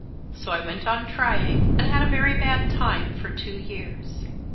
So I went on trying, and had a very bad time for two years.